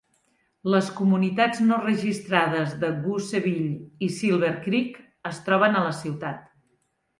Les comunitats no registrades de Gooseville i Silver Creek es troben a la ciutat.